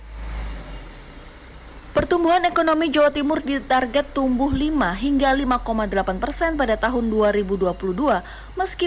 hai pertumbuhan ekonomi jawa timur di target tumbuh lima hingga lima delapan persen pada tahun dua ribu dua puluh dua meski